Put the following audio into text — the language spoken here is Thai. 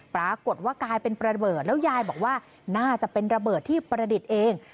ปรากฏว่ากลายเป็นระเบิดแล้วยายบอกว่าน่าจะเป็นระเบิดที่ประดิษฐ์เอง